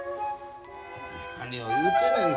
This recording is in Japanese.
何を言うてんねんな。